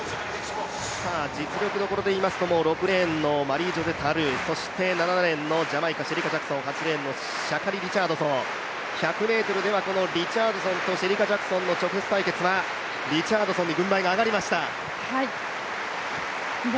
実力どころでいいますと、６レーンのマリージョゼ・タルー、そして７レーンのジャマイカ、シェリカ・ジャクソン、８レーンのシャカリ・リチャードソン、１００ｍではリチャードソンとシェリカ・ジャクソンの対決、リチャードソンに軍配が上がりました。